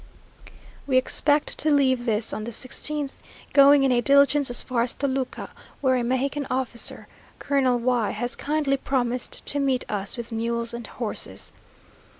We expect to leave this on the sixteenth, going in a diligence as far as Toluca, where a Mexican officer, Colonel Y , has kindly promised to meet us with mules and horses.